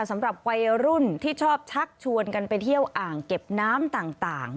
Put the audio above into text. สำหรับวัยรุ่นที่ชอบชักชวนกันไปเที่ยวอ่างเก็บน้ำต่าง